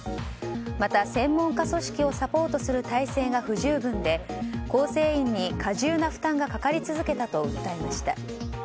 また、専門家組織をサポートする体制が不十分で構成員に過重な負担がかかり続けたと訴えました。